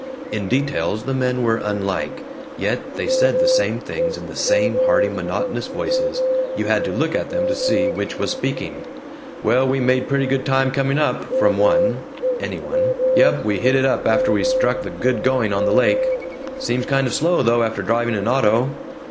In details the men were unlike, yet they said the same things in the same hearty monotonous voices. You had to look at them to see which was speaking. "Well, we made pretty good time coming up," from one any one. "Yump, we hit it up after we struck the good going on the lake." "Seems kind of slow though, after driving an auto."